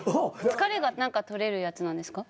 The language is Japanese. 疲れが何か取れるやつなんですか？